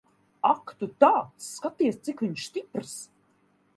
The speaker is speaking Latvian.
Ak tu tāds. Skaties, cik viņš stiprs.